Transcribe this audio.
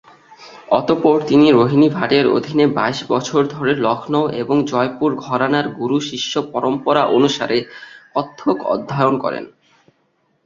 অতঃপর তিনি রোহিণী ভাটের অধীনে বাইশ বছর ধরে লখনউ এবং জয়পুর ঘরানার গুরু-শিষ্য পরম্পরা অনুসারে কত্থক অধ্যয়ন করেন।